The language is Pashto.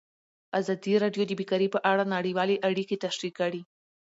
ازادي راډیو د بیکاري په اړه نړیوالې اړیکې تشریح کړي.